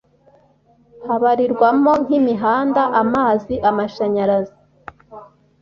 habarirwamo nk'imihanda, amazi, amashanyarazi,..